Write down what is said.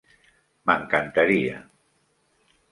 M'encantaria.